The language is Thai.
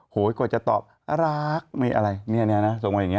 กว่าจะตอบรักมีอะไรเนี่ยนะส่งมาอย่างนี้